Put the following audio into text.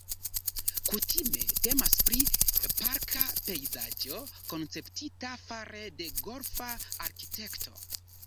Kutime temas pri parka pejzaĝo konceptita fare de golfa arkitekto.